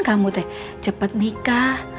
kamu teh cepet nikah